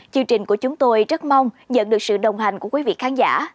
chương trình của chúng tôi rất mong nhận được sự đồng hành của quý vị khán giả